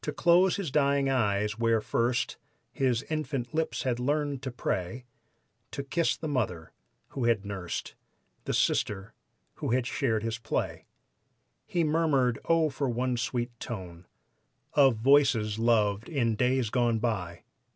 To close his dying eyes where first His infant lips had learned to pray, To kiss the mother who had nursed The sister who had shared his play. He murmured: "Oh, for one sweet tone Of voices loved in days gone by!